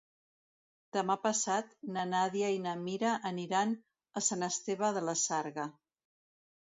Demà passat na Nàdia i na Mira aniran a Sant Esteve de la Sarga.